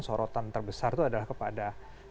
sorotan terbesar itu adalah kepada